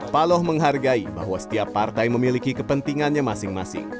paloh menghargai bahwa setiap partai memiliki kepentingannya masing masing